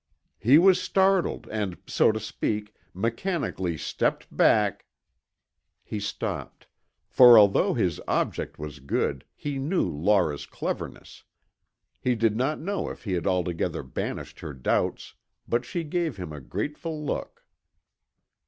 He was startled and, so to speak, mechanically stepped back " He stopped, for although his object was good, he knew Laura's cleverness. He did not know if he had altogether banished her doubts, but she gave him a grateful look.